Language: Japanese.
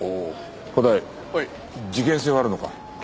古代事件性はあるのか？